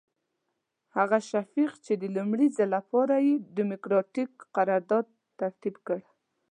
هغه شفیق چې د لومړي ځل لپاره یې ډیموکراتیک قرارداد ترتیب کړ.